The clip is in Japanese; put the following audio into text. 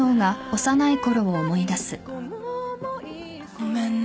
ごめんね